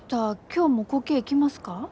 あ今日もこけえ来ますか？